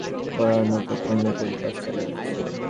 তাঁর মতে, অ্যাপল সবাইকে খুশি করার মতো পণ্য তৈরির কাজ চালিয়ে যাচ্ছে।